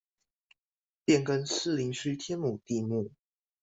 變更士林區天母地目